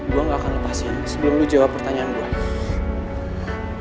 gue gak akan lepasin sebelum lu jawab pertanyaan gue